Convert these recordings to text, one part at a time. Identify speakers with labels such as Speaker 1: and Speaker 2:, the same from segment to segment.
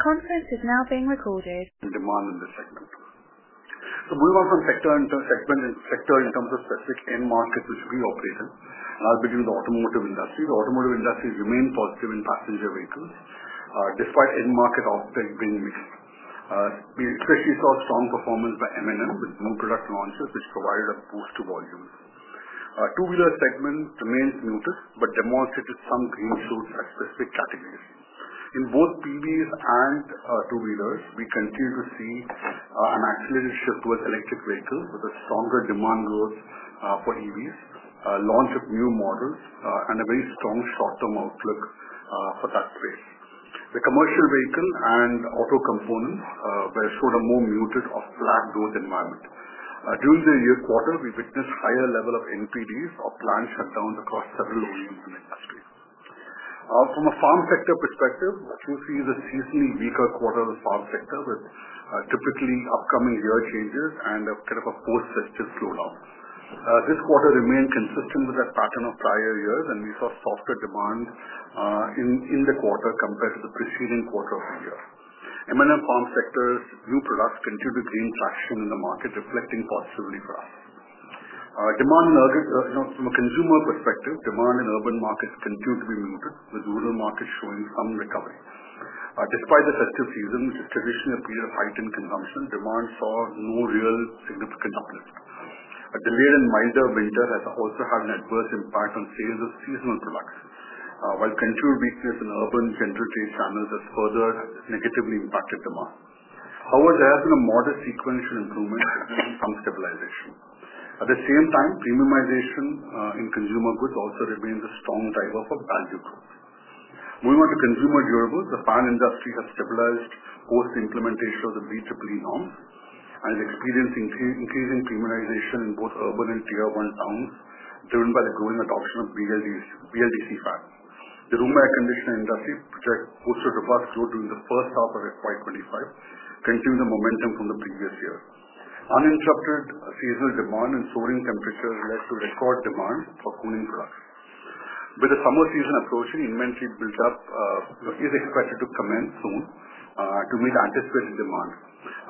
Speaker 1: Conference is now being recorded.
Speaker 2: In demand in the segment. So moving on from sector to sector in terms of specific-end markets which we operate in, and I'll begin with the automotive industry. The automotive industry remained positive in passenger vehicles, despite end market output being mixed. We especially saw strong performance by M&M with new product launches, which provided a boost to volumes. The two-wheeler segment remained muted but demonstrated some green shoots at specific categories. In both PVs and two-wheelers, we continue to see an accelerated shift towards electric vehicles, with a stronger demand growth for EVs, launch of new models, and a very strong short-term outlook for that space. The commercial vehicle and auto components showed a more muted or flat growth environment. During the year quarter, we witnessed a higher level of NPDs or planned shutdowns across several OEMs in the industry. From a farm sector perspective, what you see is a seasonally weaker quarter of the farm sector, with typically upcoming year changes and a kind of a post-season slowdown. This quarter remained consistent with that pattern of prior years, and we saw softer demand in the quarter compared to the preceding quarter of the year. M&M farm sector's new products continue to gain traction in the market, reflecting positively for us. From a consumer perspective, demand in urban markets continued to be muted, with rural markets showing some recovery. Despite the festive season, which is traditionally a period of heightened consumption, demand saw no real significant uplift. A delayed and milder winter has also had an adverse impact on sales of seasonal products, while continued weakness in urban general trade channels has further negatively impacted demand. However, there has been a modest sequential improvement, with some stabilization. At the same time, premiumization in consumer goods also remains a strong driver for value growth. Moving on to consumer durables, the fan industry has stabilized post-implementation of the BEE norms and is experiencing increasing premiumization in both urban and tier-one towns, driven by the growing adoption of BLDC fans. The room air conditioning industry posted robust growth during the first half of FY25, continuing the momentum from the previous year. Uninterrupted seasonal demand and soaring temperatures led to record demand for cooling products. With the summer season approaching, inventory build-up is expected to commence soon to meet anticipated demand.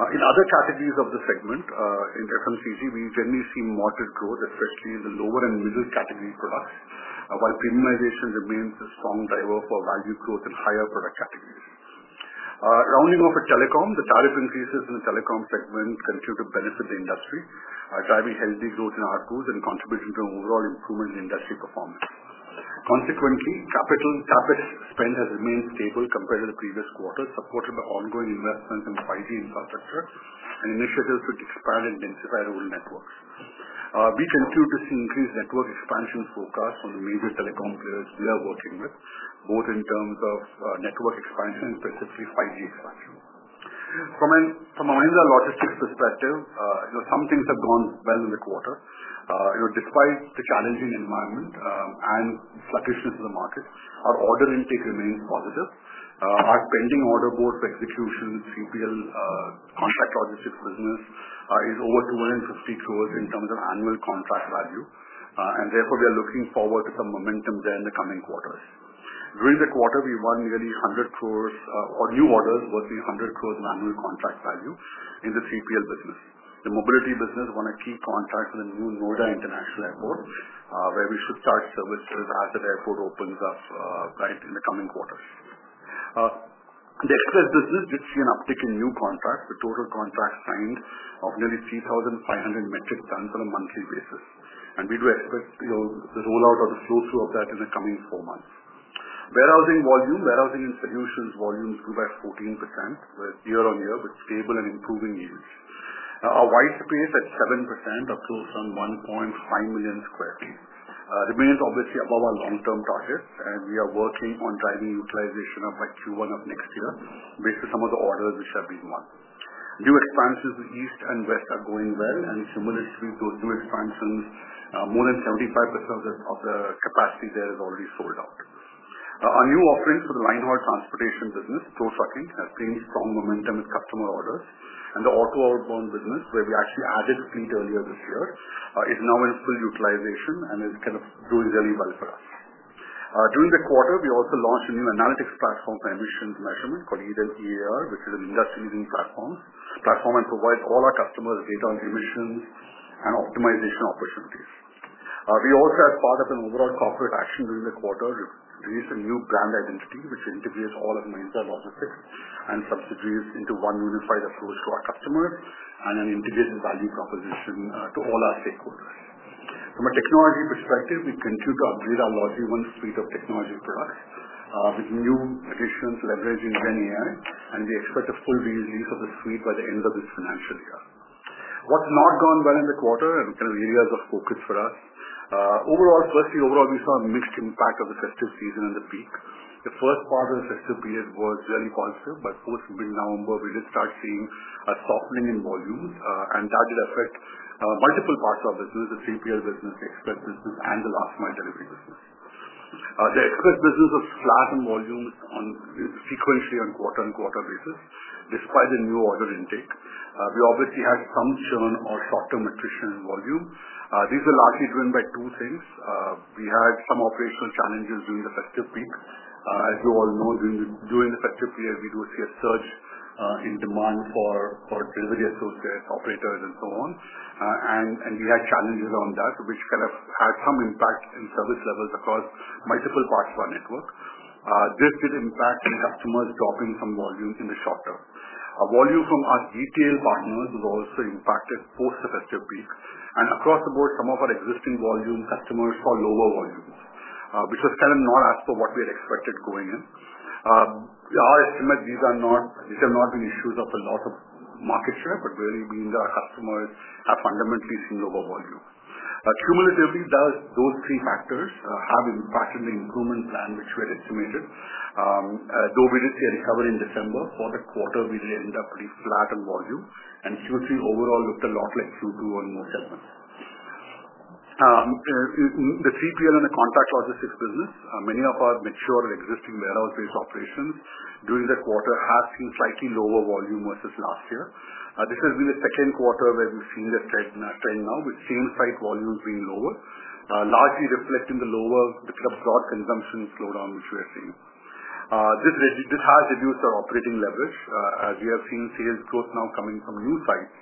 Speaker 2: In other categories of the segment, in FMCG, we generally see moderate growth, especially in the lower and middle category products, while premiumization remains a strong driver for value growth in higher product categories. Rounding off with telecom, the tariff increases in the telecom segment continue to benefit the industry, driving healthy growth in ARPUs and contributing to an overall improvement in industry performance. Consequently, capital spend has remained stable compared to the previous quarter, supported by ongoing investments in 5G infrastructure and initiatives to expand and densify rural networks. We continue to see increased network expansion forecasts from the major telecom players we are working with, both in terms of network expansion and specifically 5G expansion. From a Mahindra Logistics perspective, some things have gone well in the quarter. Despite the challenging environment and fluctuations in the market, our order intake remains positive. Our pending order board for execution, CPL contract logistics business, is over 250 crore in terms of annual contract value, and therefore we are looking forward to some momentum there in the coming quarters. During the quarter, we won nearly 100 crore of new orders worth 100 crore in annual contract value in the CPL business. The mobility business won a key contract for the new Noida International Airport, where we should start services as that airport opens up in the coming quarter. The express business did see an uptick in new contracts, with total contracts signed of nearly 3,500 metric tons on a monthly basis, and we do expect the rollout or the flow-through of that in the coming four months. Warehousing volume, warehousing and solutions volumes grew by 14% year-on-year, with stable and improving yields. Our white space at 7%, or close to 1.5 million sq ft, remains obviously above our long-term targets, and we are working on driving utilization up by Q1 of next year based on some of the orders which have been won. New expansions to east and west are going well, and similarly to those new expansions, more than 75% of the capacity there is already sold out. Our new offerings for the linehaul transportation business to trucking have gained strong momentum with customer orders, and the auto outbound business, where we actually added fleet earlier this year, is now in full utilization and is kind of doing really well for us. During the quarter, we also launched a new analytics platform for emissions measurement called EAR, which is an industry-leading platform and provides all our customers data on emissions and optimization opportunities. We also, as part of an overall corporate action during the quarter, released a new brand identity which integrates all of Mahindra Logistics and subsidiaries into one unified approach to our customers and an integrated value proposition to all our stakeholders. From a technology perspective, we continue to upgrade our LogiOne suite of technology products with new additions, leveraging GenAI, and we expect a full re-release of the suite by the end of this financial year. What's not gone well in the quarter and kind of areas of focus for us? Firstly, overall, we saw a mixed impact of the festive season and the peak. The first part of the festive period was really positive, but post-mid-November, we did start seeing a softening in volumes, and that did affect multiple parts of our business: the CPL business, the express business, and the last-mile delivery business. The express business was flat in volumes sequentially on quarter-on-quarter basis, despite the new order intake. We obviously had some churn or short-term attrition in volume. These were largely driven by two things. We had some operational challenges during the festive peak. As you all know, during the festive period, we do see a surge in demand for delivery associates, operators, and so on, and we had challenges around that, which kind of had some impact in service levels across multiple parts of our network. This did impact in customers dropping some volume in the short term. Volume from our retail partners was also impacted post the festive peak, and across the board, some of our existing volume customers saw lower volumes, which was kind of not as per what we had expected going in. Our estimate these have not been issues of a loss of market share, but really mean that our customers have fundamentally seen lower volume. Cumulatively, those three factors have impacted the improvement plan which we had estimated. Though we did see a recovery in December, for the quarter, we did end up pretty flat on volume, and Q3 overall looked a lot like Q2 on most segments. The CPL and the contract logistics business, many of our mature existing warehouse-based operations during the quarter have seen slightly lower volume versus last year. This has been the second quarter where we've seen this trend now, with same-site volumes being lower, largely reflecting the broad consumption slowdown which we are seeing. This has reduced our operating leverage, as we have seen sales growth now coming from new sites,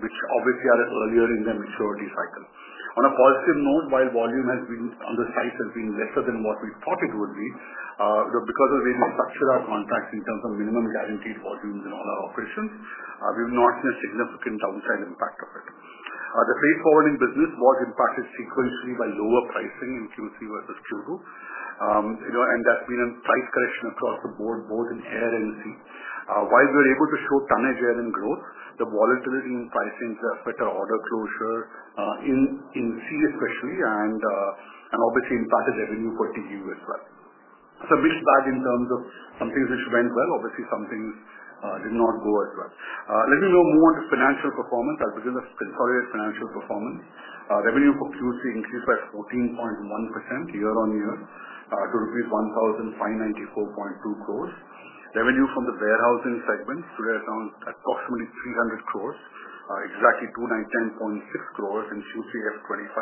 Speaker 2: which obviously are earlier in their maturity cycle. On a positive note, while volume on the sites has been lesser than what we thought it would be, because of the way we structure our contracts in terms of minimum guaranteed volumes in all our operations, we have not seen a significant downside impact of it. The freight forwarding business was impacted sequentially by lower pricing in Q3 versus Q2, and there's been a price correction across the board, both in air and sea. While we were able to show tonnage air in growth, the volatility in pricing has affected our order closure in sea especially and obviously impacted revenue for TEU as well. So mixed bag in terms of some things which went well, obviously some things did not go as well. Let me now move on to financial performance. As we discussed consolidated financial performance, revenue for Q3 increased by 14.1% year-on-year to rupees 1,594.2 crore. Revenue from the warehousing segment stood at around approximately 300 crore, exactly 210.6 crore in Q3 F25,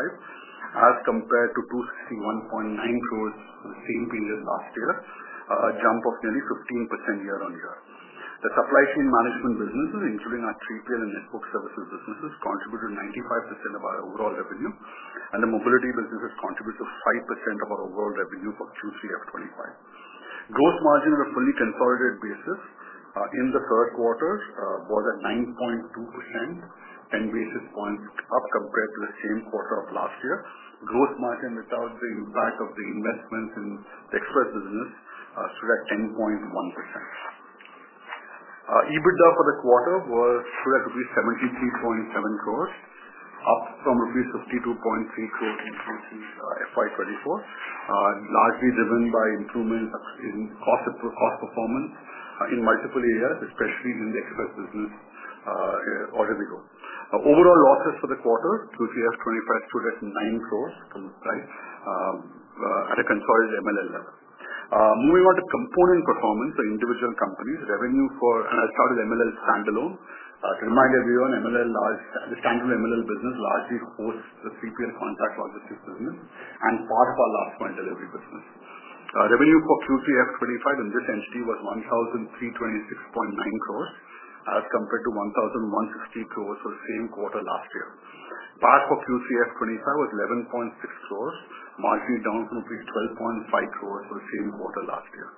Speaker 2: as compared to 261.9 crore for the same period last year, a jump of nearly 15% year-on-year. The supply chain management businesses, including our 3PL and network services businesses, contributed 95% of our overall revenue, and the mobility businesses contributed 5% of our overall revenue for Q3 F25. Gross margin on a fully consolidated basis in the third quarter was at 9.2%, 10 basis points up compared to the same quarter of last year. Gross margin without the impact of the investments in the express business stood at 10.1%. EBITDA for the quarter stood at rupees 73.7 crore, up from rupees 52.3 crore in Q3 FY24, largely driven by improvements in cost performance in multiple areas, especially in the express business. Overall losses for the quarter, Q3 F25 stood at nine crore at a consolidated MLL level. Moving on to component performance for individual companies, and I'll start with MLL standalone. To remind everyone, the standalone MLL business largely hosts the CPL contract logistics business and part of our last-mile delivery business. Revenue for Q3 F25 in this entity was 1,326.9 crore as compared to 1,160 crore for the same quarter last year. PAT for Q3 F25 was 11.6 crore, marginally down from 12.5 crore for the same quarter last year.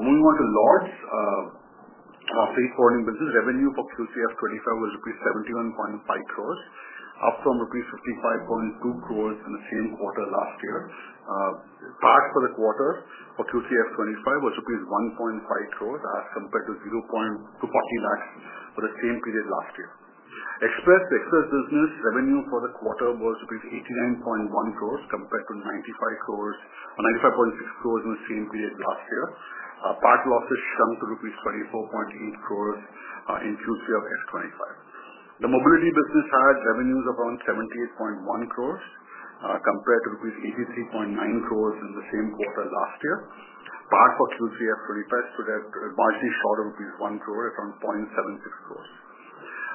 Speaker 2: Moving on to logs, our freight forwarding business revenue for Q3 F25 was 71.5 crore, up from 55.2 crore in the same quarter last year. PAT for the quarter for Q3 F25 was rupees 1.5 crore as compared to 240 lakhs for the same period last year. Express business revenue for the quarter was rupees 89.1 crore compared to 95.6 crore in the same period last year. PAT losses shrunk to rupees 24.8 crore in Q3 of F25. The mobility business had revenues of around 78.1 crore compared to rupees 83.9 crore in the same quarter last year. PAT for Q3 F25 stood at marginally short of rupees 1 crore, around 0.76 crore.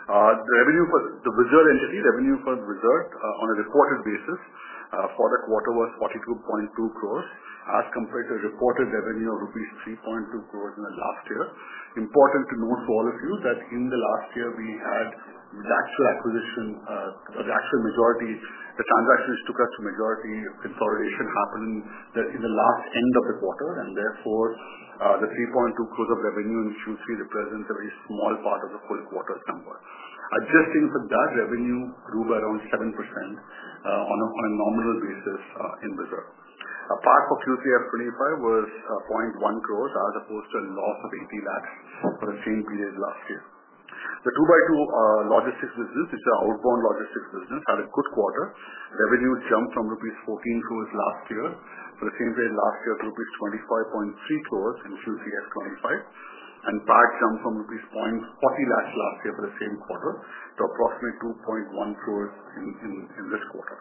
Speaker 2: The Rivigo entity, revenue for the Rivigo on a reported basis for the quarter was 42.2 crore as compared to reported revenue of rupees 3.2 crore in the last year. Important to note to all of you that in the last year, we had the actual majority transactions took us to majority consolidation happened in the last end of the quarter, and therefore the 3.2 crore of revenue in Q3 represents a very small part of the full quarter's number. Adjusting for that, revenue grew by around 7% on a nominal basis in Q3 FY25. PAT for Q3 F25 was 0.1 crore as opposed to a loss of 80 lakhs for the same period last year. The 2x2 Logistics business, which is our outbound logistics business, had a good quarter. Revenue jumped from rupees 14 crore last year for the same period last year to rupees 25.3 crore in Q3 F 25, and PAT jumped from rupees 0.40 crore last year for the same quarter to approximately 2.1 crore in this quarter.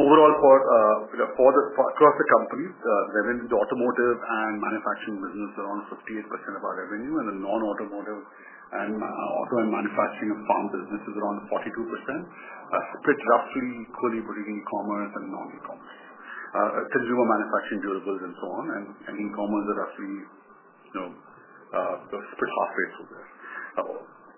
Speaker 2: Overall, across the company, the automotive and manufacturing business is around 58% of our revenue, and the non-automotive and auto and manufacturing of farm business is around 42%, split roughly equally between e-commerce and non-e-commerce, consumer manufacturing durables and so on, and e-commerce are roughly split halfway through there.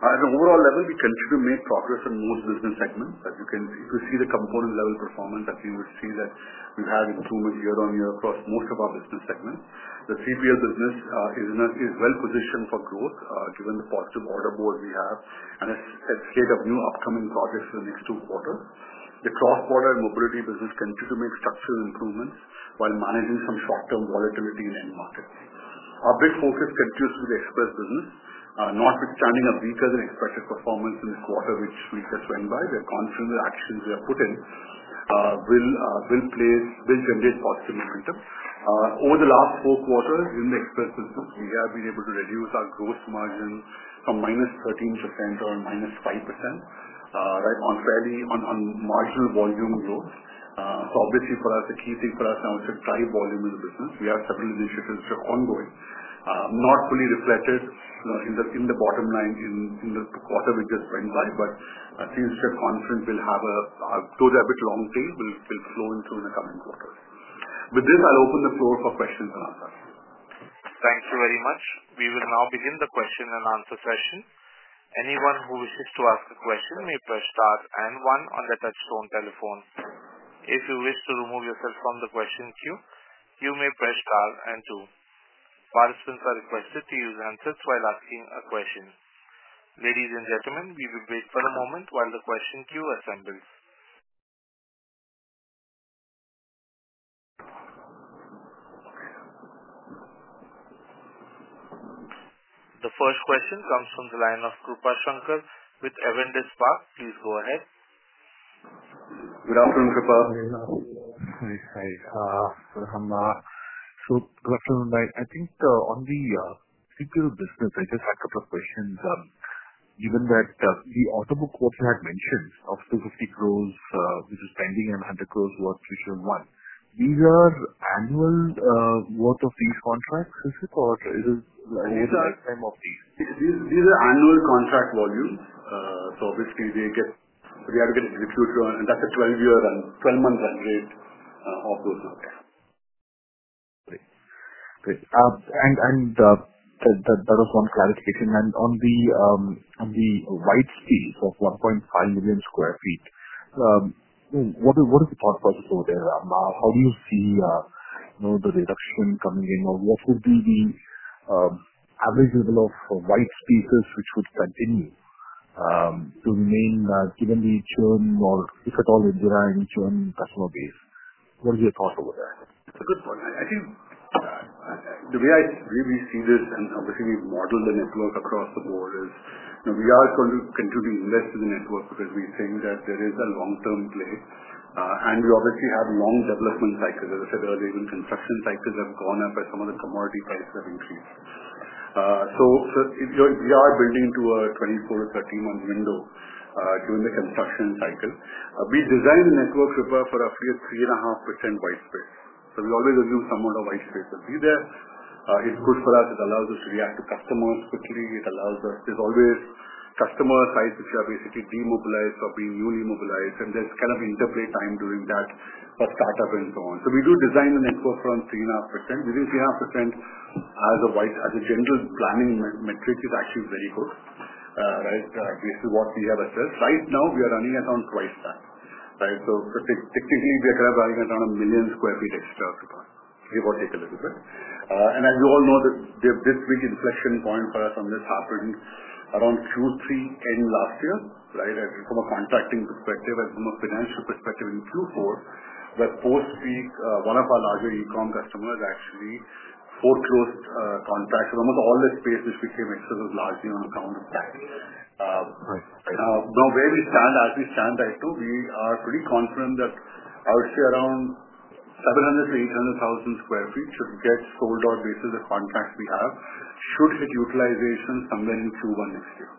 Speaker 2: At an overall level, we continue to make progress in most business segments. As you can see, the component level performance, as you would see, that we've had improvements year-on-year across most of our business segments. The CPL business is well positioned for growth given the positive order boards we have and a slate of new upcoming projects for the next two quarters. The cross-border and mobility business continue to make structural improvements while managing some short-term volatility in end markets. Our big focus continues to be the express business, notwithstanding a weaker-than-expected performance in the quarter which we just went by. We are confident the actions we have put in will generate positive momentum. Over the last four quarters in the express business, we have been able to reduce our gross margin from minus 13% to around minus 5% on marginal volume growth. So obviously, for us, the key thing for us now is to drive volume in the business. We have several initiatives which are ongoing, not fully reflected in the bottom line in the quarter we just went by, but things which we are confident will have. Those are a bit long tail, will flow into in the coming quarters. With this, I'll open the floor for questions and answers.
Speaker 1: Thank you very much. We will now begin the question and answer session. Anyone who wishes to ask a question may press star and one on the touch-tone telephone. If you wish to remove yourself from the question queue, you may press star and two. Participants are requested to use handsets while asking a question. Ladies and gentlemen, we will wait for a moment while the question queue assembles. The first question comes from the line of Krupashankar with Avendus Spark. Please go ahead.
Speaker 2: Good afternoon, Krupa.
Speaker 3: Hi. Hi. Good afternoon. I think on the CPL business, I just had a couple of questions. Given that the update of the quarter had mentioned 250 crore which is pending and 100 crore worth which is won, these are annual worth of these contracts, is it, or is it lifetime of these?
Speaker 2: These are annual contract volumes. So obviously, they get executed, and that's a 12-month run rate of those numbers.
Speaker 3: Great. And that was one clarification. And on the white space of 1.5 million sq ft, what is the thought process over there? How do you see the reduction coming in, or what would be the average level of white spaces which would continue to remain given the churn or, if at all, enduring churn customer base? What is your thought over there?
Speaker 2: It's a good point. I think the way I really see this, and obviously, we model the network across the board, is we are continuing to invest in the network because we think that there is a long-term play, and we obviously have long development cycles. As I said earlier, even construction cycles have gone up as some of the commodity prices have increased. So we are building into a 24-30-month window during the construction cycle. We designed the network, Krupa, for roughly a 3.5% white space. So we always assume some amount of white space will be there. It's good for us. It allows us. There's always customer sites which are basically demobilized or being newly mobilized, and there's kind of interplay time during that for startup and so on. So we do design the network around 3.5%. Within 3.5%, as a general planning metric, is actually very good, basically what we have assessed. Right now, we are running at around twice that. So technically, we are kind of running at around a million sq ft extra, Krupa. It will take a little bit, and as you all know, this big inflection point for us on this happened around Q3 end last year, from a contracting perspective and from a financial perspective in Q4, where post-peak, one of our larger e-com customers actually foreclosed contracts. Almost all the space which became excess was largely on account of that. Now, where we stand, as we stand right now, we are pretty confident that I would say around 700-800 thousand sq ft should get sold out basis of contracts we have, should hit utilization somewhere in Q1 next year.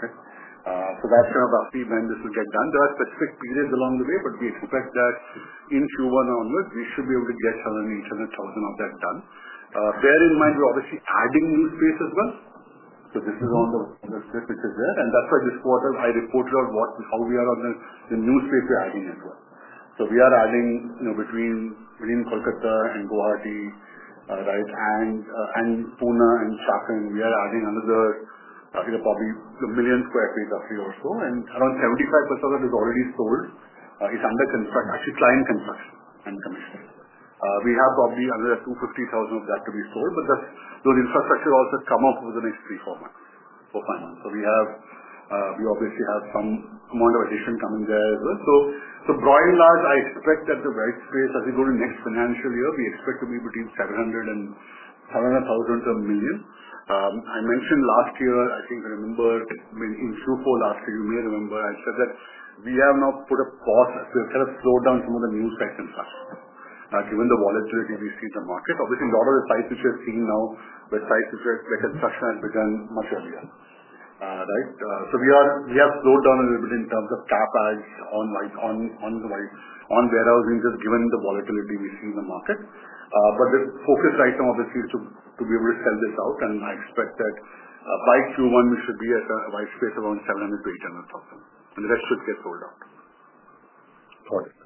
Speaker 2: Okay? So that's roughly when this will get done. There are specific periods along the way, but we expect that in Q1 onwards, we should be able to get around 800,000 of that done. Bear in mind, we're obviously adding new space as well. So this is on the slide which is there. And that's why this quarter, I reported out how we are on the new space we're adding as well. So we are adding between Kolkata and Guwahati, and Pune and Chakan. We are adding another probably 1 million sq ft roughly or so. And around 75% of it is already sold. It's under construction, actually client construction and commissioning. We have probably another 250,000 of that to be sold, but those infrastructures also come up over the next three, four months, four, five months. So we obviously have some amount of addition coming there as well. So broad and large, I expect that the white space, as we go to next financial year, we expect to be between 700 and 700 thousand to a million. I mentioned last year, I think I remember in Q4 last year, you may remember, I said that we have now put a pause. We have kind of slowed down some of the new site construction given the volatility we see in the market. Obviously, a lot of the sites which we have seen now, the sites where construction has begun much earlier. So we have slowed down a little bit in terms of CapEx on warehousing just given the volatility we see in the market. But the focus right now, obviously, is to be able to sell this out, and I expect that by Q1, we should be at a white space around 700 to 800 thousand. The rest should get sold out.
Speaker 3: Got it.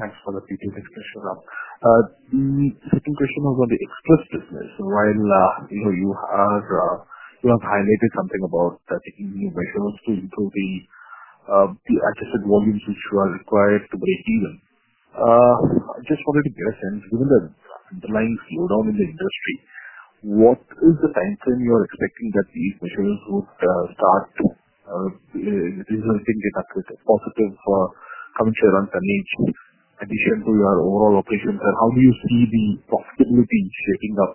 Speaker 3: Thanks for the detailed explanation. Second question was on the express business. While you have highlighted something about taking new measures to improve the adjusted volumes which were required to break even, I just wanted to get a sense, given the underlying slowdown in the industry, what is the timeframe you are expecting that these measures would start resulting in a positive contribution to your run-rate EBITDA in addition to your overall operations, and how do you see the profitability shaping up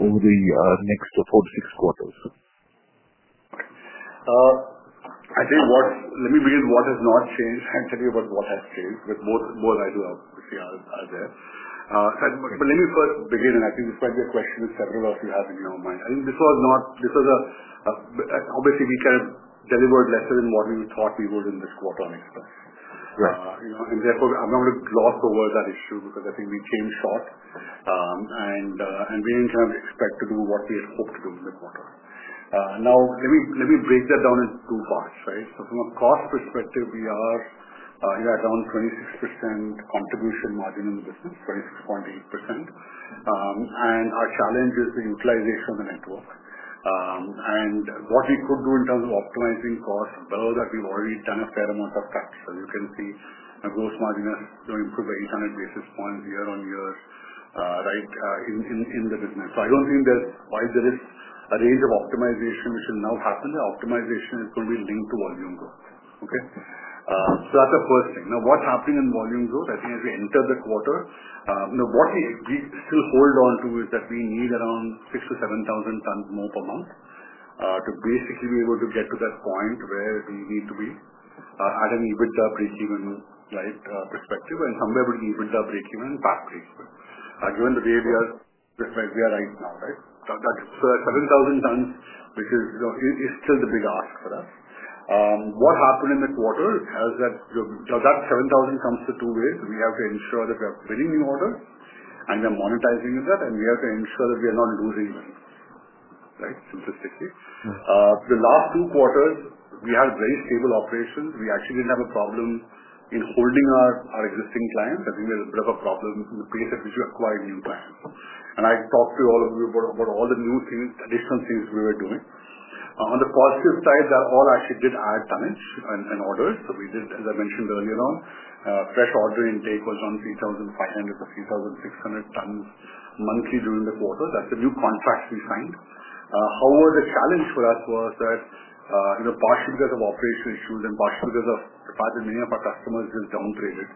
Speaker 3: over the next four to six quarters?
Speaker 2: I think let me begin with what has not changed and tell you about what has changed, with both eyes open. But let me first begin, and I think this might be a question that several of you have in your mind. I think this was not obviously. We kind of delivered less than what we thought we would in this quarter on express. And therefore, I'm not going to gloss over that issue because I think we came short, and we didn't kind of expect to do what we had hoped to do in the quarter. Now, let me break that down into two parts. So from a cost perspective, we are around 26% contribution margin in the business, 26.8%. And our challenge is the utilization of the network. And what we could do in terms of optimizing costs. Well, that we've already done a fair amount of practice. As you can see, Gross Margin has improved by 800 basis points year-on-year in the business. So I don't think that while there is a range of optimization which will now happen, the optimization is going to be linked to volume growth. Okay? So that's the first thing. Now, what's happening in volume growth, I think as we enter the quarter, what we still hold on to is that we need around 6 to 7,000 tons more per month to basically be able to get to that point where we need to be at an EBITDA break-even perspective and somewhere between EBITDA break-even and past break-even. Given the way we are right now, that 7,000 tons, which is still the big ask for us. What happened in the quarter is that that 7,000 comes to two ways. We have to ensure that we are winning new orders, and we are monetizing that, and we have to ensure that we are not losing money, simplistically. The last two quarters, we had very stable operations. We actually didn't have a problem in holding our existing clients. I think there's a bit of a problem in the pace at which we acquired new clients, and I talked to all of you about all the new things, additional things we were doing. On the positive side, that all actually did add tonnage and orders, so we did, as I mentioned earlier on, fresh order intake was around 3,500-3,600 tons monthly during the quarter. That's the new contracts we signed. However, the challenge for us was that partially because of operation issues and partially because of the fact that many of our customers just downgraded,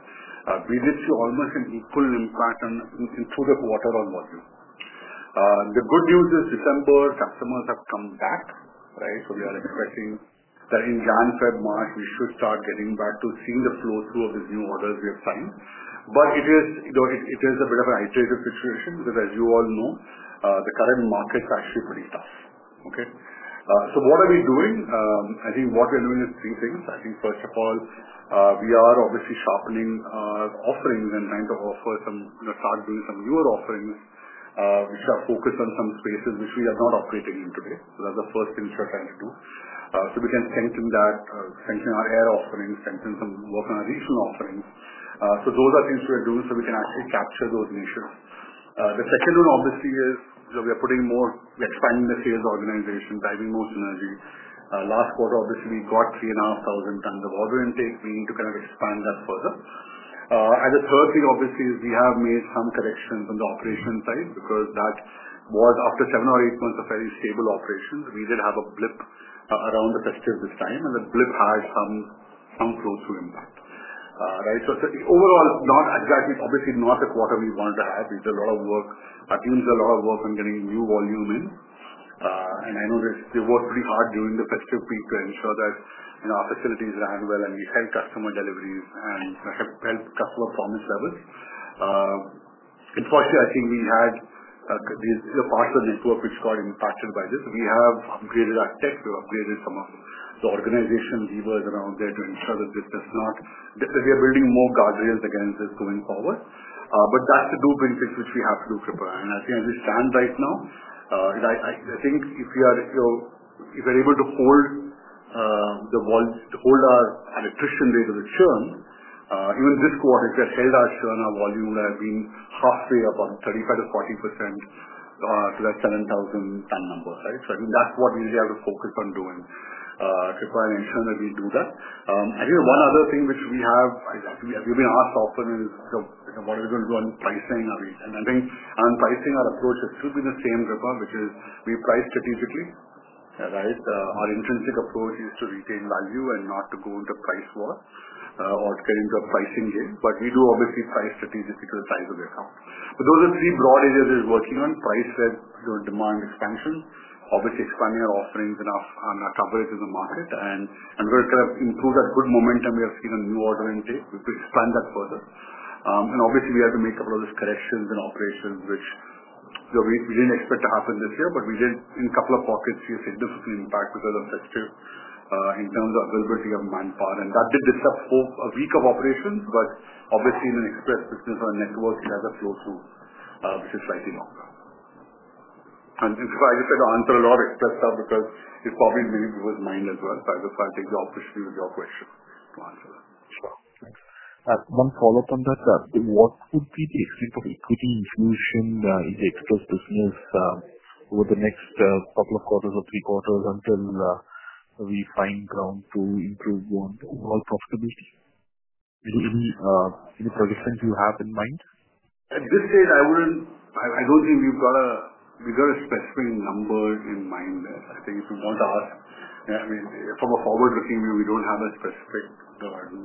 Speaker 2: we did see almost an equal impact through the quarter on volume. The good news is, December, customers have come back, so we are expecting that in January, February, March, we should start getting back to seeing the flow through of these new orders we have signed, but it is a bit of an iterative situation because, as you all know, the current market is actually pretty tough, okay, so what are we doing? I think what we are doing is three things. I think, first of all, we are obviously sharpening our offerings and trying to offer some, start doing some newer offerings which are focused on some spaces which we are not operating in today. So that's the first thing which we are trying to do. So we can strengthen that, strengthen our air offerings, strengthen some work on our regional offerings. So those are things we are doing so we can actually capture those niches. The second one, obviously, is we are expanding the sales organization, driving more synergy. Last quarter, obviously, we got 3,500 tons of order intake. We need to kind of expand that further. And the third thing, obviously, is we have made some corrections on the operation side because that was, after seven or eight months of very stable operations, we did have a blip around the festive this time, and the blip had some flow-through impact. So overall, obviously, not the quarter we wanted to have. We did a lot of work. Our team did a lot of work on getting new volume in. I know they worked pretty hard during the festive peak to ensure that our facilities ran well and we held customer deliveries and helped customer performance levels. Unfortunately, I think we had these parts of the network which got impacted by this. We have upgraded our tech. We've upgraded some of the organization levers around there to ensure that this does not, that we are building more guardrails against this going forward. But that's the two things which we have to do, Krupa. I think as we stand right now, I think if we are able to hold our attrition rate of the churn, even this quarter, if we had held our churn, our volume would have been halfway, about 35%-40% to that 7,000-ton number. So I think that's what we really have to focus on doing, Krupa, and ensure that we do that. I think one other thing which we've been asked often is, "What are we going to do on pricing?" And I think on pricing, our approach has still been the same, Krupa, which is we price strategically. Our intrinsic approach is to retain value and not to go into price war or get into a pricing game. But we do obviously price strategically to the size of the account. But those are three broad areas we're working on: pricing, demand expansion, obviously expanding our offerings and our coverage in the market, and we're going to kind of improve that good momentum we have seen on new order intake. We could expand that further. Obviously, we had to make a lot of these corrections in operations which we didn't expect to happen this year, but we did, in a couple of pockets, see a significant impact because of festive in terms of availability of manpower. And that did disrupt a week of operations, but obviously, in an express business or a network, it has a flow-through which is slightly longer. And I just had to answer a lot of express stuff because it probably muddied people's minds as well. So I just want to take the opportunity with your question to answer that.
Speaker 4: Sure. Thanks. One follow-up on that. What would be the extent of equity infusion in the express business over the next couple of quarters or three quarters until we find ground to improve on overall profitability? Any projections you have in mind? At this stage, I don't think we've got a specific number in mind there. I think if you want to ask, from a forward-looking view, we don't have a specific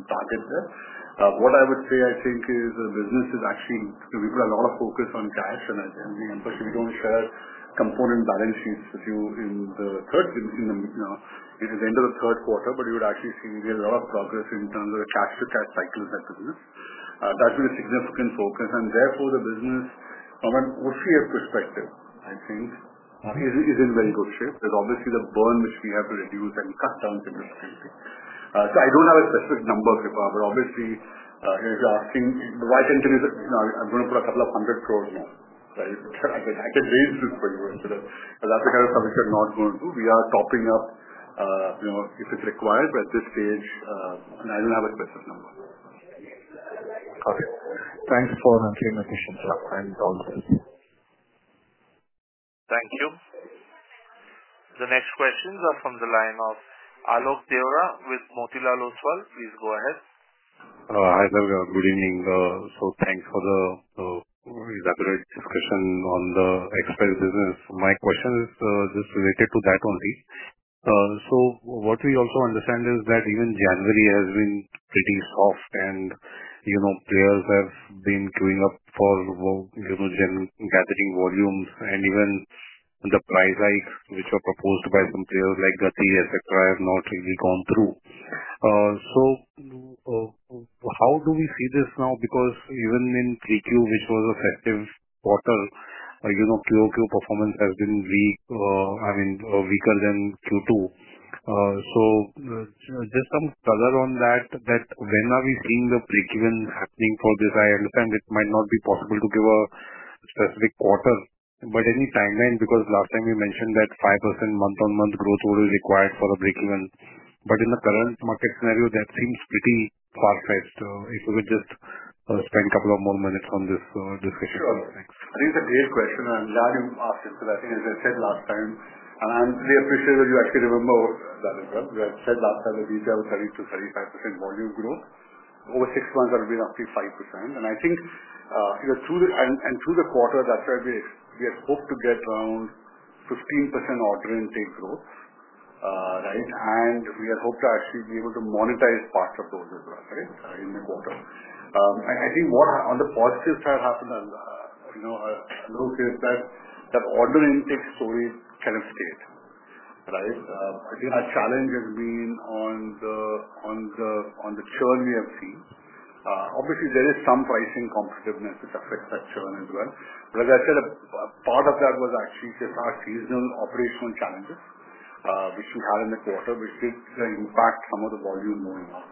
Speaker 4: target there. What I would say, I think, is the business is actually we put a lot of focus on cash, and unfortunately, we don't share component balance sheets with you in the end of the third quarter, but you would actually see we did a lot of progress in terms of the cash-to-cash cycle in that business. That's been a significant focus. And therefore, the business, from an OCF perspective, I think, is in very good shape. There's obviously the burn which we have to reduce and cut down significantly. So, I don't have a specific number, Krupa, but obviously, if you're asking why I'm going to put a couple of hundred crore more, I can raise this for you because that's the kind of stuff we're not going to do. We are topping up if it's required, but at this stage, I don't have a specific number.
Speaker 3: Got it. Thanks for answering my questions. I'm all set.
Speaker 1: Thank you. The next questions are from the line of Alok Deora with Motilal Oswal. Please go ahead.
Speaker 5: Hi Sagar. Good evening. So thanks for the great discussion on the express business. My question is just related to that only. So what we also understand is that even January has been pretty soft, and players have been queuing up for gathering volumes, and even the price hikes which were proposed by some players like Gati, etc., have not really gone through. So how do we see this now? Because even in Q3, which was a festive quarter, QOQ performance has been weaker than Q2. So just some color on that, that when are we seeing the break-even happening for this? I understand it might not be possible to give a specific quarter, but any timeline? Because last time you mentioned that 5% month-on-month growth would be required for a break-even. But in the current market scenario, that seems pretty far-fetched. If you could just spend a couple of more minutes on this discussion.
Speaker 2: Sure. I think it's a great question, and I'm glad you asked it because I think, as I said last time, and I'm really appreciative that you actually remember that as well. You had said last time that we had a 30-35% volume growth. Over six months, that would be roughly 5%. And I think through the quarter, that's why we had hoped to get around 15% order intake growth. And we had hoped to actually be able to monetize parts of those as well in the quarter. I think what on the positive side happened is that order intake story kind of stayed. I think our challenge has been on the churn we have seen. Obviously, there is some pricing competitiveness which affects that churn as well. But as I said, part of that was actually just our seasonal operational challenges which we had in the quarter, which did impact some of the volume going up.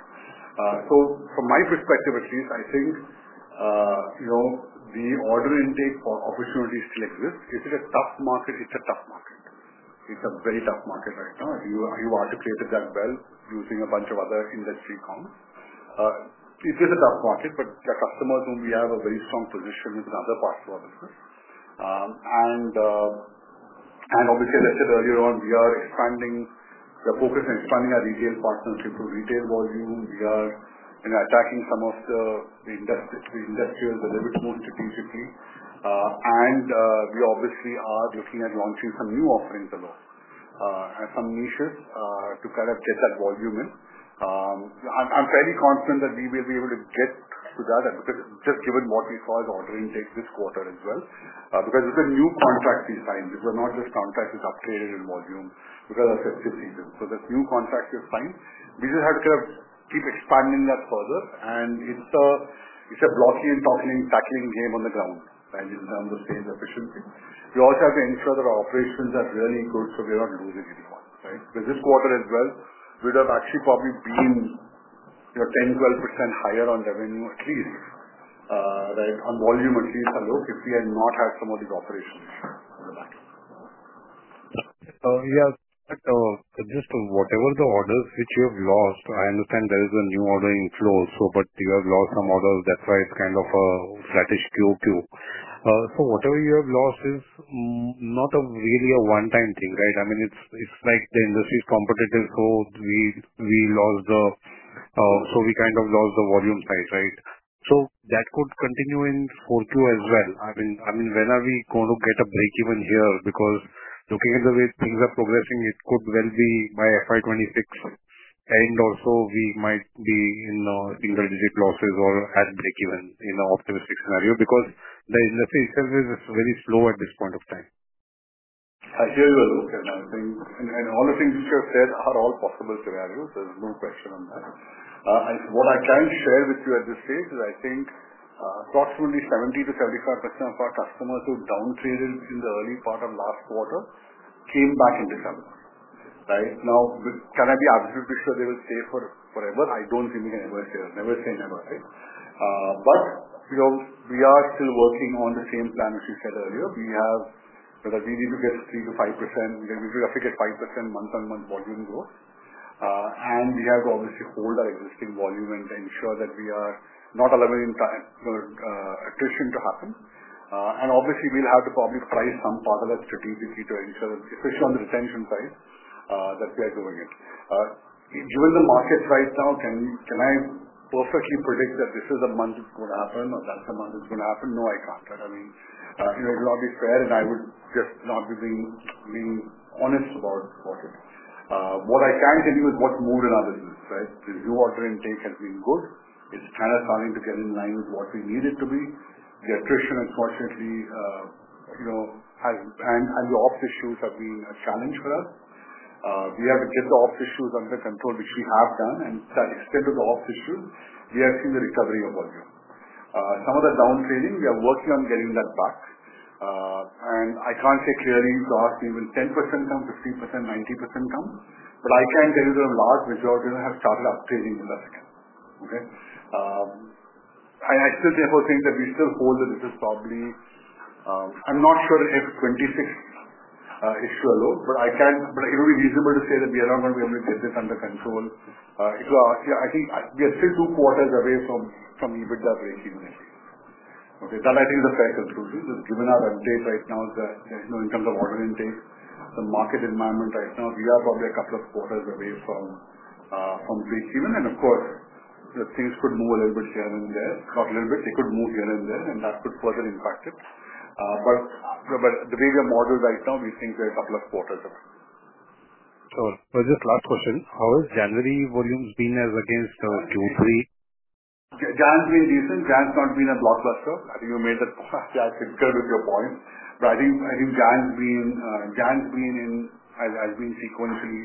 Speaker 2: So from my perspective, at least, I think the order intake opportunity still exists. Is it a tough market? It's a tough market. It's a very tough market right now. You articulated that well using a bunch of other industry cons. It is a tough market, but our customers who we have a very strong position with in other parts of our business. And obviously, as I said earlier on, we are expanding the focus and expanding our retail partnership through retail volume. We are attacking some of the industries a little bit more strategically. And we obviously are looking at launching some new offerings along and some niches to kind of get that volume in. I'm fairly confident that we will be able to get to that just given what we saw as order intake this quarter as well because there's a new contract we signed. These are not just contracts that are upgraded in volume because of festive season. So there's new contracts we have signed. We just have to kind of keep expanding that further. And it's a blocking and tackling game on the ground in terms of sales efficiency. We also have to ensure that our operations are really good so we're not losing anyone. Because this quarter as well, we would have actually probably been 10%-12% higher on revenue, at least, on volume, at least, if we had not had some of these operation issues on the back end.
Speaker 5: Yeah. So just whatever the orders which you have lost, I understand there is a new ordering flow also, but you have lost some orders. That's why it's kind of a flattish QOQ. So whatever you have lost is not really a one-time thing. I mean, it's like the industry is competitive, so we kind of lost the volume side. So that could continue in 4Q as well. I mean, when are we going to get a break-even here? Because looking at the way things are progressing, it could well be by FY26, and also we might be in single-digit losses or at break-even in an optimistic scenario because the industry itself is very slow at this point of time.
Speaker 2: I hear you a little bit. And all the things which you have said are all possible scenarios. There's no question on that. What I can share with you at this stage is I think approximately 70%-75% of our customers who downgraded in the early part of last quarter came back in December. Now, can I be absolutely sure they will stay forever? I don't think we can ever say that. Never say never. But we are still working on the same plan, as you said earlier. We have because we need to get 3%-5%. We have to get 5% month-on-month volume growth. And we have to obviously hold our existing volume and ensure that we are not allowing attrition to happen. Obviously, we'll have to probably price some part of that strategically to ensure that, especially on the retention side, that we are doing it. Given the markets right now, can I perfectly predict that this is the month it's going to happen or that's the month it's going to happen? No, I can't. I mean, it would not be fair, and I would just not be being honest about it. What I can tell you is what's moved in our business. The new order intake has been good. It's kind of starting to get in line with what we need it to be. The attrition, unfortunately, has and the ops issues have been a challenge for us. We have to get the ops issues under control, which we have done. To that extent of the ops issues, we have seen the recovery of volume. Some of the downgrading, we are working on getting that back, and I can't say clearly to ask me will 10% come, 15%, 90% come, but I can tell you that a large majority have started upgrading with us again. I still therefore think that we still hold that this is probably, I'm not sure if Q2 is a low, but I can't, but it would be reasonable to say that we are not going to be able to get this under control. I think we are still two quarters away from EBITDA break-even at least. That I think is a fair conclusion. Just given our update right now, in terms of order intake, the market environment right now, we are probably a couple of quarters away from break-even, and of course, things could move a little bit here and there. Not a little bit. They could move here and there, and that could further impact it. But the way we are modeled right now, we think we're a couple of quarters away.
Speaker 5: Sure. Just last question. How has January volumes been as against Q3?
Speaker 2: January has been decent. January has not been a blockbuster. I think you made that. Yeah, I concur with your point. But I think January has been sequentially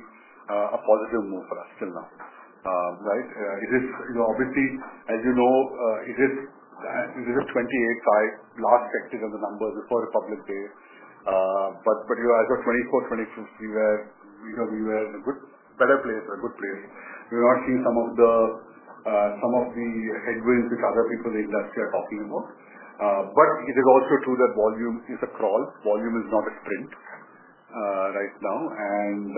Speaker 2: a positive move for us till now. It is obviously, as you know, it is a 28th-5th last sector of the numbers before the Republic Day. But as of 24th, 25th, we were in a better place, a good place. We were not seeing some of the headwinds which other people in the industry are talking about. But it is also true that volume is a crawl. Volume is not a sprint right now. And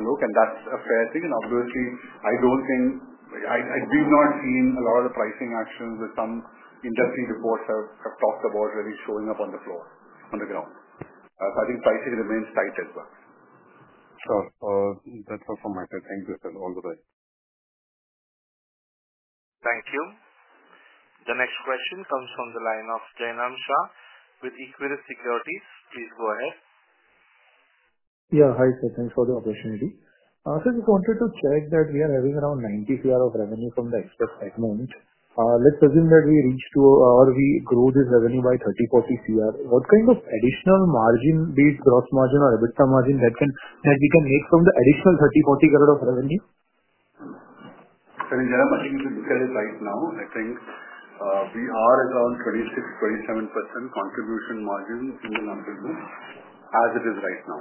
Speaker 2: look, that's a fair thing. And obviously, I don't think we've not seen a lot of the pricing actions that some industry reports have talked about really showing up on the floor, on the ground. So I think pricing remains tight as well.
Speaker 5: Sure. That's all from my side. Thank you, Sir. All the best.
Speaker 1: Thank you. The next question comes from the line of Jainam Shah with Equirus Securities. Please go ahead.
Speaker 6: Yeah. Hi, Sir. Thanks for the opportunity. Sir, just wanted to check that we are having around 90 cr of revenue from the express segment. Let's assume that we reach to or we grow this revenue by 30-40 cr. What kind of additional margin, be it gross margin or EBITDA margin, that we can make from the additional 30-40 cr of revenue?
Speaker 2: Sir, in general, I think if you look at it right now, I think we are around 26-27% contribution margin in the non-business as it is right now,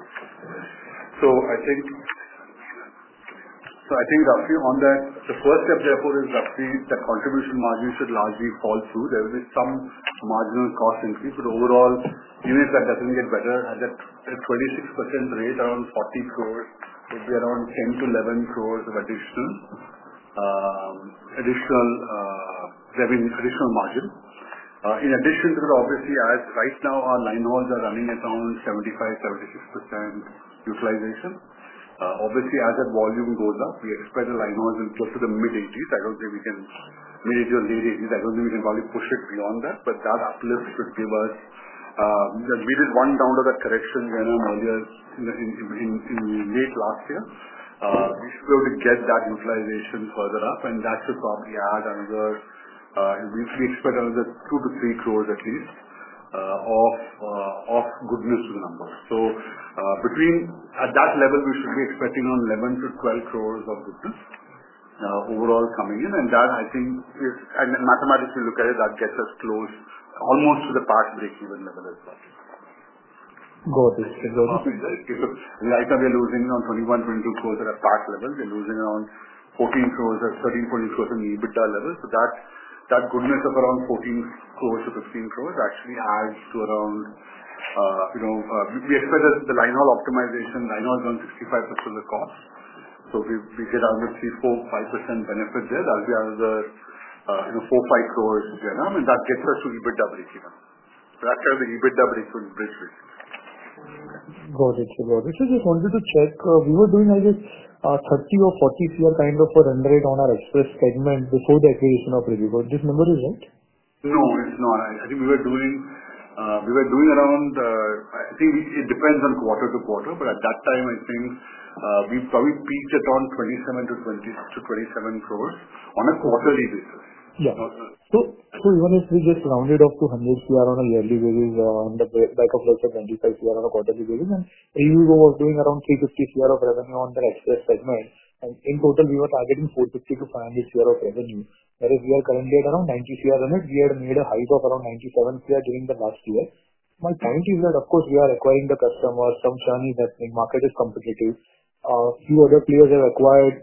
Speaker 2: so I think roughly on that, the first step therefore is roughly that contribution margin should largely fall through. There will be some marginal cost increase, but overall, even if that doesn't get better, at that 26% rate, around 40 crore would be around 10-11 crore of additional margin. In addition to that, obviously, as right now our linehauls are running at around 75-76% utilization, obviously, as that volume goes up, we expect the linehauls in close to the mid-80s. I don't think we can mid-80s or late-80s. I don't think we can probably push it beyond that, but that uplift should give us we did one down to that correction earlier in late last year. We should be able to get that utilization further up. And that should probably add. We expect another 2-3 cr at least of goodness to the numbers. So at that level, we should be expecting around 11-12 cr of goodness overall coming in. And that, I think, is, and mathematically, look at it, that gets us close, almost, to the past break-even level as well.
Speaker 6: Go ahead, Sir. Go ahead.
Speaker 2: Right now, we are losing around 21-22 cr at past levels. We are losing around INR 14 cr, 13-14 cr in the EBITDA level. So that goodness of around 14-15 cr actually adds to around we expect that the linehaul optimization, linehaul is around 65% of the cost. So we get around a 3-5% benefit there. That'll be another 4-5 cr to get up. And that gets us to EBITDA break-even. So that's kind of the EBITDA break-even bridge we're seeing.
Speaker 6: Got it. Got it. Sir, just wanted to check. We were doing, I guess, 30 crore or 40 crore kind of a run rate on our express segment before the acquisition of Rivigo. This number is right?
Speaker 2: No, it's not. I think we were doing around. I think it depends on quarter to quarter. But at that time, I think we probably peaked at around 27-27 crore on a quarterly basis.
Speaker 6: Yeah. So even if we just rounded off to 100 crore on a yearly basis and on the back of less than 25 crore on a quarterly basis, and Rivigo was doing around 350 crore of revenue on their express segment. And in total, we were targeting 450 crore-500 crore of revenue. Whereas we are currently at around 90 crore on it. We had made a hike of around 97 crore during the last year. My point is that, of course, we are acquiring the customers. It's a journey that the market is competitive. Few other players have acquired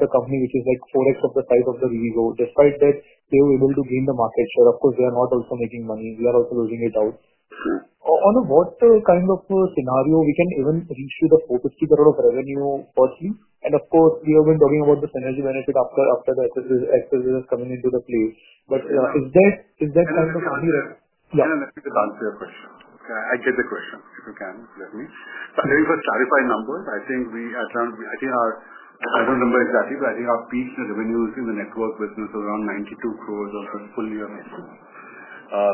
Speaker 6: the company, which is like 4X of the size of the Rivigo. Despite that, they were able to gain the market share. Of course, they are not also making money. We are also losing it out. In what kind of scenario, we can even reach to the 450 cr of revenue firstly? And of course, we have been talking about the synergy benefit after the express is coming into the play. But is that kind of.
Speaker 2: Let me answer your question. I get the question, if you can hear me, but let me first clarify numbers. I think we at around, I think our, I don't remember exactly, but I think our peak revenues in the network business was around 92 cr for the full year of express.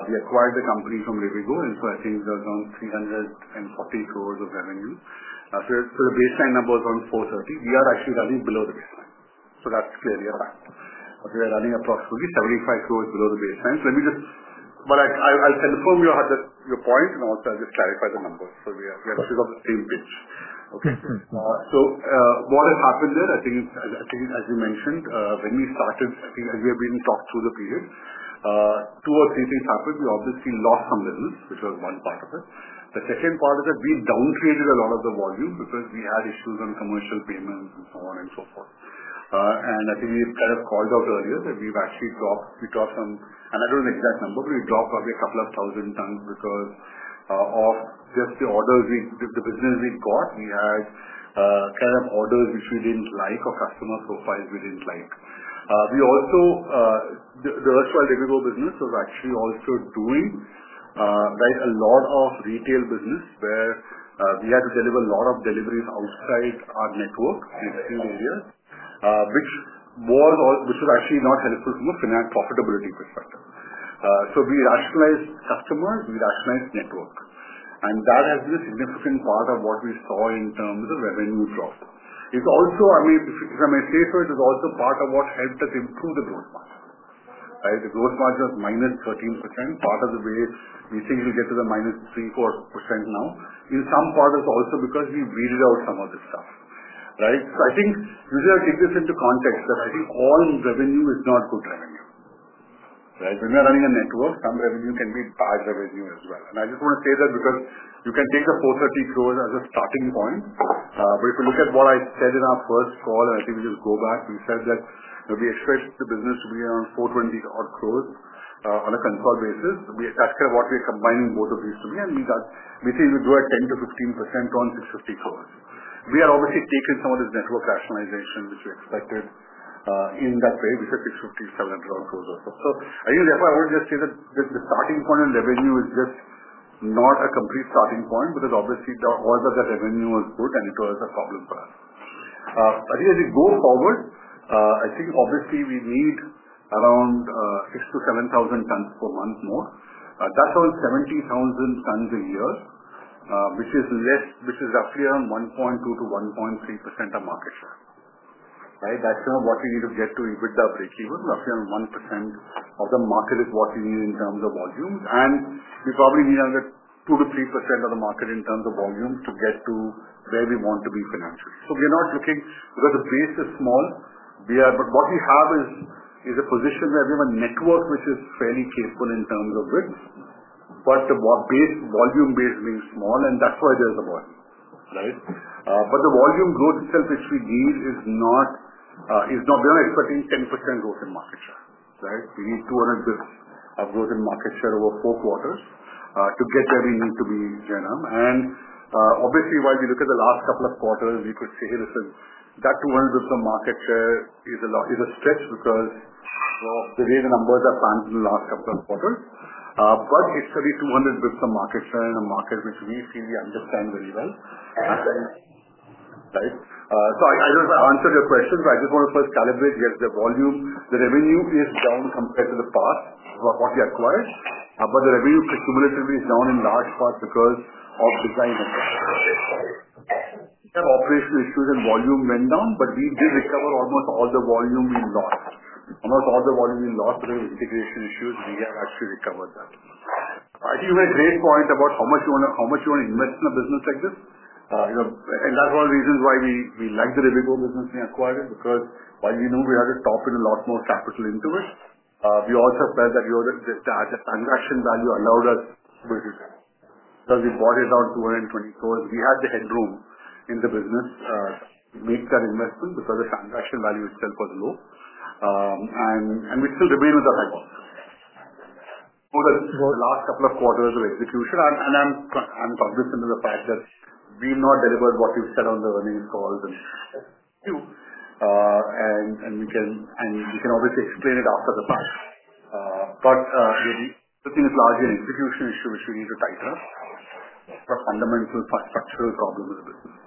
Speaker 2: We acquired the company from Rivigo, and so I think there was around 340 cr of revenue, so the baseline number was around 430 cr. We are actually running below the baseline, so that's clearly a fact. We are running approximately 75 cr below the baseline, so let me just, but I'll confirm your point, and also, I'll just clarify the numbers, so we are still on the same page, so what has happened there, I think, as you mentioned, when we started, I think, as we have been talking through the period, two or three things happened. We obviously lost some business, which was one part of it. The second part is that we downtraded a lot of the volume because we had issues on commercial payments and so on and so forth, and I think we kind of called out earlier that we've actually dropped some and I don't know the exact number, but we dropped probably a couple of thousand tons because of just the orders, the business we got, we had kind of orders which we didn't like or customer profiles we didn't like. We also, the erstwhile Rivigo business was actually also doing a lot of retail business where we had to deliver a lot of deliveries outside our network in extreme areas, which was actually not helpful from a profitability perspective, so we rationalized customers. We rationalized network. And that has been a significant part of what we saw in terms of revenue drop. It's also I mean, if I may say so, it is also part of what helped us improve the gross margin. The gross margin was minus 13%. Part of the way we think we'll get to the minus 3-4% now. In some part, it's also because we weeded out some of this stuff. So I think usually, I take this into context that I think all revenue is not good revenue. When we are running a network, some revenue can be bad revenue as well. And I just want to say that because you can take the 430 crore as a starting point. But if you look at what I said in our first call, and I think we just go back, we said that we expect the business to be around 420 cr on a consult basis. That's kind of what we are combining both of these to be. And we think we'll grow at 10%-15% on 650 cr. We had obviously taken some of this network rationalization, which we expected in that period, which is 650-700 cr or so. So I think therefore, I want to just say that the starting point of revenue is just not a complete starting point because obviously, all of that revenue was good, and it was a problem for us. But as we go forward, I think obviously, we need around 6,000-7,000 tons per month more. That's around 70,000 tons a year, which is roughly around 1.2-1.3% of market share. That's kind of what we need to get to EBITDA break-even. Roughly around 1% of the market is what we need in terms of volumes. We probably need another 2-3% of the market in terms of volumes to get to where we want to be financially. We are not looking because the base is small. But what we have is a position where we have a network which is fairly capable in terms of width. But the volume base being small, and that's why there's a volume. But the volume growth itself, which we need, is not. We are expecting 10% growth in market share. We need 200 basis points of growth in market share over four quarters to get where we need to be, Jainam. Obviously, while we look at the last couple of quarters, we could say, "Hey, listen, that 200 basis points of market share is a stretch because the way the numbers are planned in the last couple of quarters." It's 3,200 basis points of market share in a market which we feel we understand very well. I don't know if I answered your question. I just want to first calibrate where the volume the revenue is down compared to the past of what we acquired. The revenue cumulatively is down in large part because of design issues. We had operational issues, and volume went down. We did recover almost all the volume we lost. Almost all the volume we lost because of integration issues. We have actually recovered that. I think you made a great point about how much you want to invest in a business like this. And that's one of the reasons why we liked the Rivigo business we acquired because while we knew we had to put in a lot more capital into it, we also felt that the transaction value allowed us. Because we bought it around 220 crore, we had the headroom in the business to make that investment because the transaction value itself was low. And we still remain with that high volume. So the last couple of quarters of execution. And I'm cognizant of the fact that we've not delivered what you said on the earnings calls and. And we can obviously explain it after the fact. But the thing is largely an institutional issue which we need to tighten up. It's a fundamental structural problem of the business.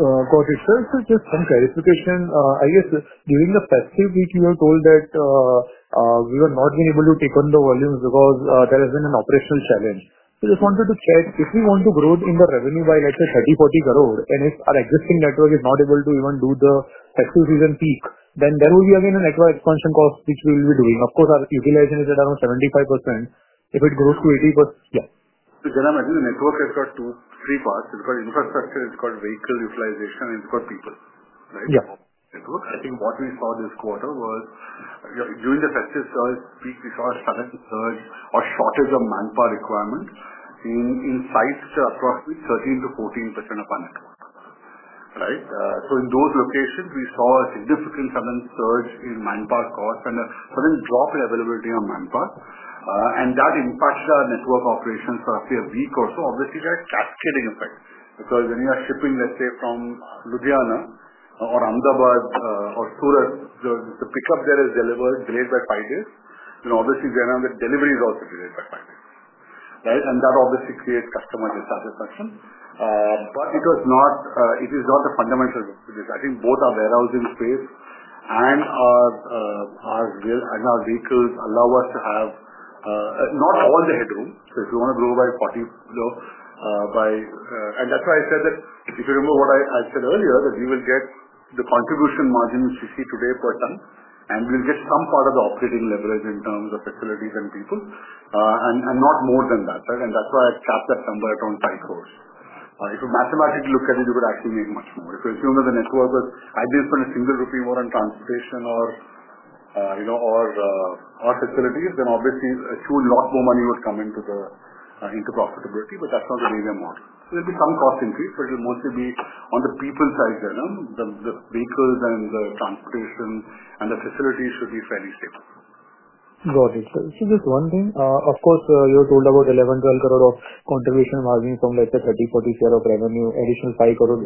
Speaker 7: Got it. Sir, just some clarification. I guess during the festive, we were told that we were not even able to take on the volumes because there has been an operational challenge. So I just wanted to check. If we want to grow in the revenue by, let's say, 30-40 crore, and if our existing network is not able to even do the festive season peak, then there will be again a network expansion cost which we will be doing. Of course, our utilization is at around 75%. If it grows to 80%. Yeah.
Speaker 2: So, Jainam, I think the network has got three parts. It's called infrastructure. It's called vehicle utilization. And it's called people. Right?
Speaker 6: Yeah.
Speaker 2: Network. I think what we saw this quarter was during the festive sales peak, we saw a sudden surge or shortage of manpower requirement in sites that are approximately 13%-14% of our network. So in those locations, we saw a significant sudden surge in manpower cost and a sudden drop in availability of manpower. And that impacted our network operations for roughly a week or so. Obviously, there are cascading effects because when you are shipping, let's say, from Ludhiana or Ahmedabad or Surat, the pickup there is delayed by five days. Then obviously, the delivery is also delayed by five days. And that obviously creates customer dissatisfaction. But it is not a fundamental business. I think both our warehousing space and our vehicles allow us to have all the headroom. So if we want to grow by 40 crore, and that's why I said that if you remember what I said earlier, that we will get the contribution margin which we see today per ton, and we'll get some part of the operating leverage in terms of facilities and people and not more than that. And that's why I capped that number at around 5 crore. If you mathematically look at it, you could actually make much more. If you assume that the network was, I'd be spending a single rupee more on transportation or facilities, then obviously, a huge lot more money would come into profitability. But that's not the way we are modeling. There'll be some cost increase, but it'll mostly be on the people side, Jainam. The vehicles and the transportation and the facilities should be fairly stable.
Speaker 7: Got it. Sir, just one thing. Of course, you were told about 11-12 cr of contribution margin from, let's say, 30-40 cr of revenue, additional 5 cr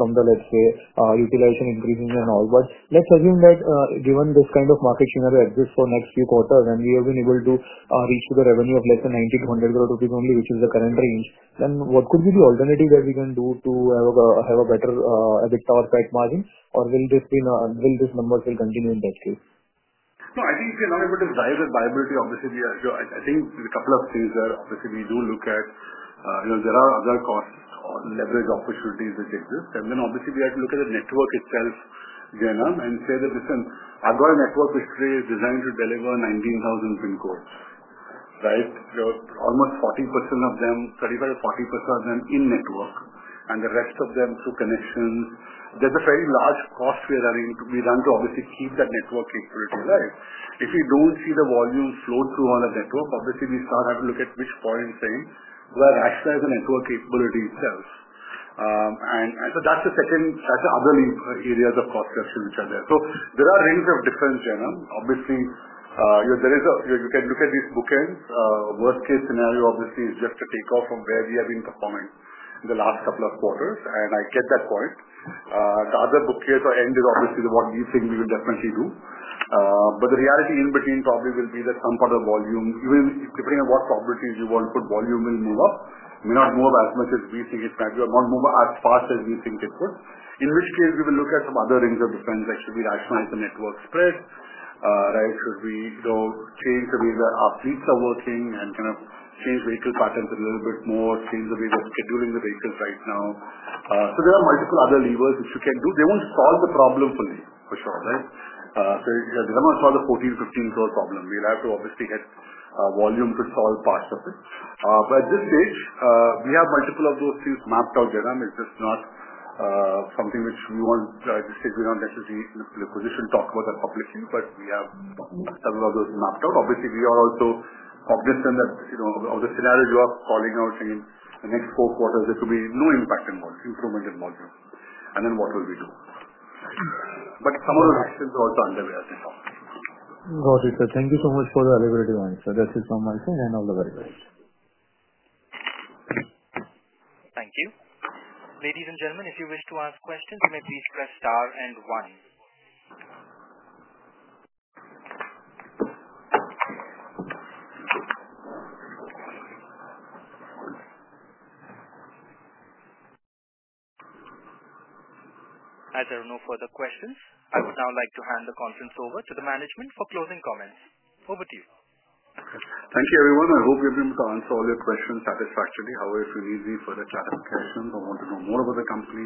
Speaker 7: from the, let's say, utilization increasing and all. But let's assume that given this kind of market scenario exists for next few quarters and we have been able to reach the revenue of less than 90-100 cr only, which is the current range, then what could be the alternative that we can do to have a better EBITDA or PAT margin? Or will these numbers continue in that case?
Speaker 2: No, I think you can always put this viability. Obviously, I think a couple of things there. Obviously, we do look at. There are other costs or leverage opportunities which exist. And then obviously, we have to look at the network itself, Jainam, and say that, "Listen, our network which we designed to deliver 19,000 PIN codes." Almost 40% of them, 35%-40% of them in network, and the rest of them through connections. There's a fairly large cost we are running to obviously keep that network capability alive. If we don't see the volume flow through our network, obviously, we start having to look at which point saying, "Do I rationalize the network capability itself?" And so that's the other areas of cost reduction which are there. So there are rings of defense, Jainam. Obviously, you can look at these bookends. Worst case scenario, obviously, is just to take off from where we have been performing in the last couple of quarters, and I get that point. The other bookend is obviously what we think we will definitely do, but the reality in between probably will be that some part of the volume, depending on what probabilities you want to put, volume will move up. It may not move up as much as we think it might. It will not move up as fast as we think it would. In which case, we will look at some other rings of defense. Should we rationalize the network spread? Should we change the way that our fleets are working and kind of change vehicle patterns a little bit more, change the way we're scheduling the vehicles right now, so there are multiple other levers which we can do. They won't solve the problem fully, for sure. So they're going to solve the INR 14-15 crore problem. We'll have to obviously get volume to solve parts of it. But at this stage, we have multiple of those things mapped out, Jainam. It's just not something which we want at this stage, we're not necessarily in a position to talk about that publicly. But we have several of those mapped out. Obviously, we are also cognizant of the scenario you are calling out, saying the next four quarters, there could be no impact in volume, improvement in volume. And then what will we do? But some of those actions are also underway as we talk.
Speaker 7: Got it, sir. Thank you so much for the elaborative answer. That is all my side, and all the very best.
Speaker 1: Thank you. Ladies and gentlemen, if you wish to ask questions, you may please press star and one. If there are no further questions, I would now like to hand the conference over to the management for closing comments. Over to you.
Speaker 2: Thank you, everyone. I hope we have been able to answer all your questions satisfactorily. However, if you need any further clarifications or want to know more about the company,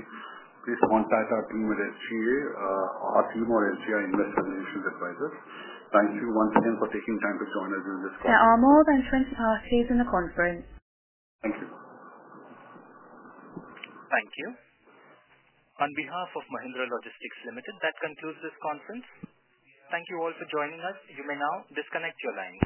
Speaker 2: please contact our team at SGA or Strategic Growth Advisors. Thank you once again for taking time to join us in this call.
Speaker 1: There are more than 20 parties in the conference. Thank you. Thank you. On behalf of Mahindra Logistics Limited, that concludes this conference. Thank you all for joining us. You may now disconnect your lines.